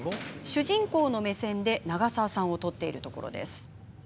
主人公の目線で長澤さんを撮っているところです。